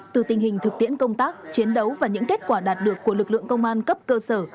từ tình hình thực tiễn công tác chiến đấu và những kết quả đạt được của lực lượng công an cấp cơ sở